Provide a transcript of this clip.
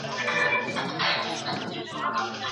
د سهار په لومړیو کې ویښ پاتې کېږي.